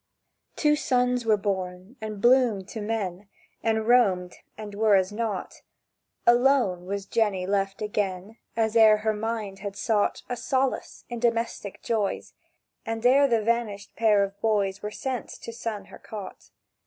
Two sons were born, and bloomed to men, And roamed, and were as not: Alone was Jenny left again As ere her mind had sought A solace in domestic joys, And ere the vanished pair of boys Were sent to sun her cot.